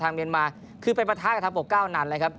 เมียนมาคือไปปะทะกับทางปกเก้านัดเลยครับ